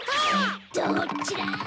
どっちだ！